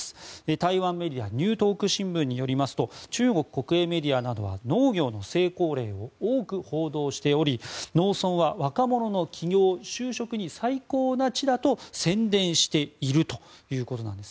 台湾メディアニュートーク新聞によりますと中国国営メディアなどは農業の成功例を多く報道しており農村は若者の起業・就職に最高な地だと宣伝しているということなんです。